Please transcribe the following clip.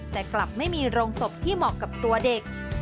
แต่กลับไม่มีโรงศพที่เหมาะกับตัวเด็ก